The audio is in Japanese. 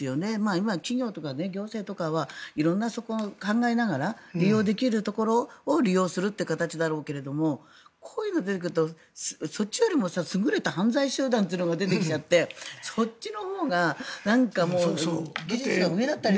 今、企業とか行政はそこを考えながら利用できるところを利用するって形だろうけどこういうのが出てくるとそっちよりも優れた犯罪集団というのが出てきちゃってそっちのほうがなんか技術が上だったりして。